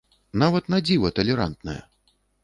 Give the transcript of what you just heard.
Нават на дзіва талерантная.